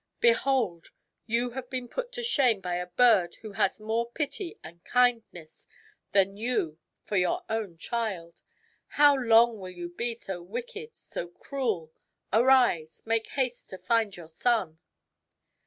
Behold, you have been put to shame by a bird who has more pity and kindness than you for your own child. How long will you be so wicked, so cruel ? Arise ! Make haste to find your son."